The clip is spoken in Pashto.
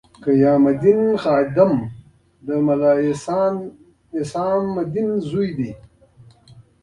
قیام الدین خادم د ملا حسام الدین زوی دی.